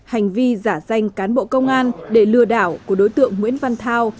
hành vi giả danh cán bộ công an để lừa đảo của đối tượng nguyễn văn thao